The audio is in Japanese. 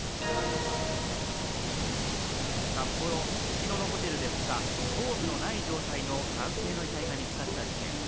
札幌・すすきののホテルで２日、頭部のない状態の男性の遺体が見つかった事件。